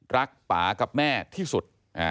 รักปากับแม่ที่สุด